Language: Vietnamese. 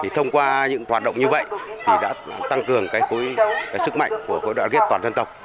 thông qua những hoạt động như vậy thì đã tăng cường sức mạnh của đội đoạn ghép toàn dân tộc